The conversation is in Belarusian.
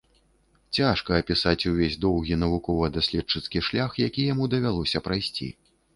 Цяжка апісаць увесь доўгі навукова-даследчыцкі шлях, які яму давялося прайсці.